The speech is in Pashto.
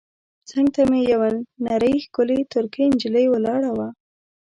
څنګ ته مې یوه نرۍ ښکلې ترکۍ نجلۍ ولاړه وه.